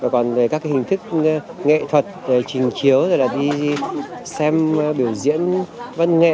còn các hình thức nghệ thuật trình chiếu đi xem biểu diễn văn nghệ